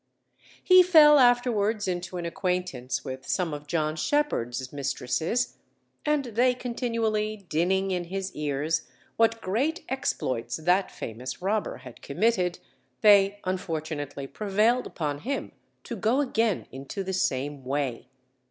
He fell afterwards into an acquaintance with some of John Shepherd's mistresses, and they continually dinning in his ears what great exploits that famous robber had committed, they unfortunately prevailed upon him to go again into the same way.